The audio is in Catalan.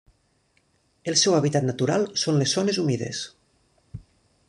El seu hàbitat natural són les zones humides.